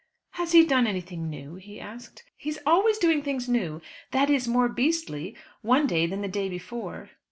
"Has he done anything new?" he asked. "He is always doing things new that is more beastly one day than the day before."